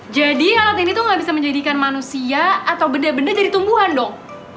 jadi alat ini tuh nggak bisa menjadikan manusia atau benda benda dari tumbuhan dong